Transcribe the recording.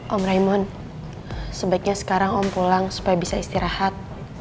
om raimun sebaiknya sekarang om pulang supaya bisa istirahat